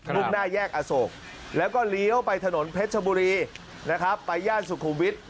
่งหน้าแยกอโศกแล้วก็เลี้ยวไปถนนเพชรชบุรีนะครับไปย่านสุขุมวิทย์